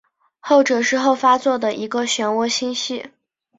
后者是后发座的一个旋涡星系。